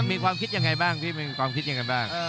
มีความคิดยังไงบ้างพี่มีความคิดยังไงบ้าง